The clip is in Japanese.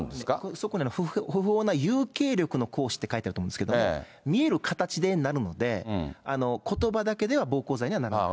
そこに不法な有形力の行使って書いてあると思うんですけど、見える形でなるんで、ことばだけでは暴行罪にはならない。